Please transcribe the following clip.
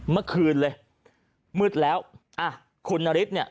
เมื่อคืนเลยมืดแล้วอ่ะคุณนฤทธิเนี่ย